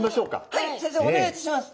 はい先生お願いいたします。